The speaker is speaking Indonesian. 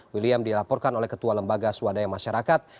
william dilaporkan oleh ketua lembaga swadaya masyarakat